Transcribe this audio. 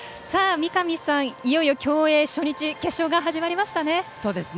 三上さん、競泳初日決勝が始まりましたね。